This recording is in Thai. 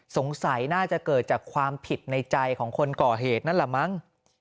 สงสัยน่าจะเกิดจากความผิดในใจของคนก่อเหตุนั่นแหละมั้ง